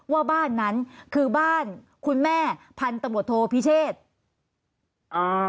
ว่าบ้านนั้นคือบ้านคุณแม่พันธบทโทพิเชษอ่า